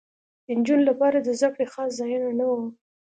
د نجونو لپاره د زدکړې خاص ځایونه نه وو